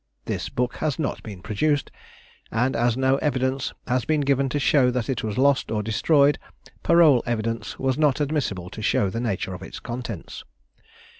This book has not been produced, and as no evidence has been given to show that it was lost or destroyed, parole evidence was not admissible to show the nature of its contents.